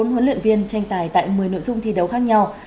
bốn huấn luyện viên tranh tài tại một mươi nội dung thi đấu khác nhau